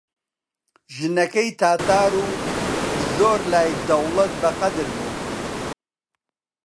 ژنەکەی تاتار و زۆر لای دەوڵەت بەقەدر بوو